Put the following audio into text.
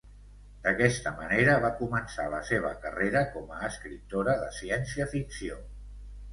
D'aquesta manera va començar la seva carrera com a escriptora de ciència-ficció.